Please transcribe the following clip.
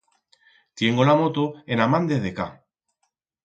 Tiengo la moto en a man de decá.